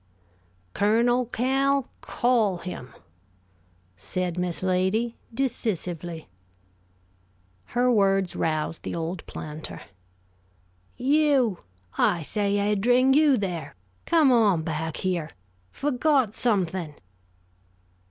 "Colonel Cal, call him!" said Miss Lady, decisively. Her words roused the old planter. "You I say, Eddring; you, there! Come on back here! Forgot something!"